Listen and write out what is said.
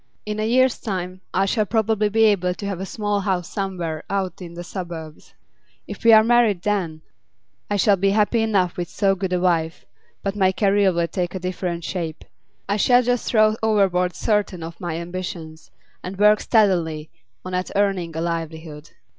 In a year's time, I shall probably be able to have a small house somewhere out in the suburbs. If we are married then, I shall be happy enough with so good a wife, but my career will take a different shape. I shall just throw overboard certain of my ambitions, and work steadily on at earning a livelihood.